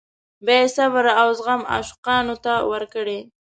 یا یې صبر او زغم عاشقانو ته ورکړی.